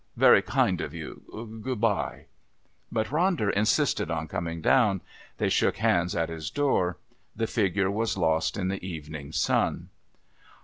Very kind of you. Good bye." But Ronder insisted on coming down. They shook hands at his door. The figure was lost in the evening sun.